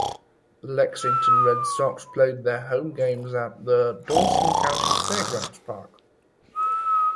The Lexington Red Sox played their home games at the Dawson County Fairgrounds Park.